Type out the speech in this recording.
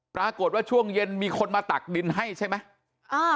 ปรากฏว่าช่วงเย็นมีคนมาตักดินให้ใช่ไหม